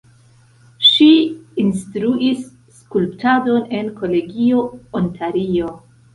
Ŝi instruis skulptadon en kolegio Ontario.